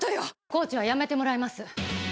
コーチは辞めてもらいます。